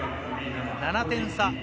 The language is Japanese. ７点差。